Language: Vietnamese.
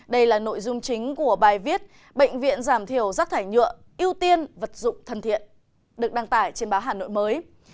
đây là nội dung chính của bài viết bệnh viện giảm thiểu rác thải nhựa ưu tiên vật dụng thân thiện được đăng tải trên báo hà nội mới